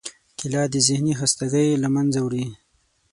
کېله د ذهنی خستګۍ له منځه وړي.